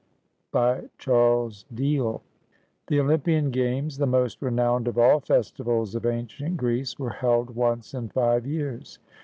] BY CHARLES DIEHL [The Olympian Games, the most renowned of all festivals of ancient Greece, were held once in five years.